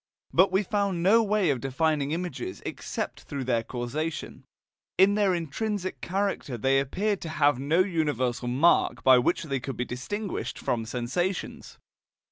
But we found no way of defining images except through their causation; in their intrinsic character they appeared to have no universal mark by which they could be distinguished from sensations.